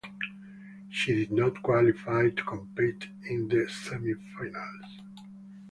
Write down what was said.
She did not qualify to compete in the semifinals.